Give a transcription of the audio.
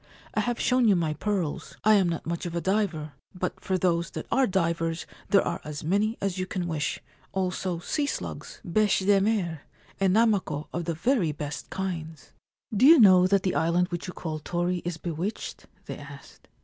I have shown you my pearls. I am not much of a diver ; but, for those that are divers there are as many as you can wish — also sea slugs, beche de mer, and namako of the very best kinds/ 'Do you know that the island which you call "Tori" is bewitched ?' they asked.